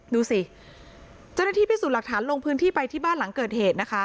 ดูสิเจ้าหน้าที่พิสูจน์หลักฐานลงพื้นที่ไปที่บ้านหลังเกิดเหตุนะคะ